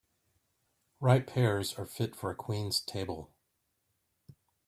Ripe pears are fit for a queen's table.